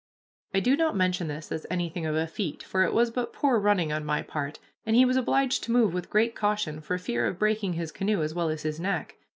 I do not mention this as anything of a feat, for it was but poor running on my part, and he was obliged to move with great caution for fear of breaking his canoe as well as his neck.